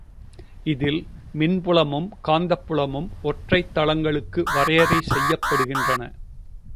இதில் மின்புலமும் காந்தப் புலமும் ஒற்றைத் தளங்களுக்கு வரையறை செய்யப்படுகின்றன.